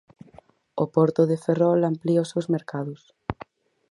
O porto de Ferrol amplía os seus mercados.